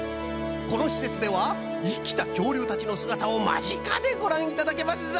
このしせつではいきたきょうりゅうたちのすがたをまぢかでごらんいただけますぞ。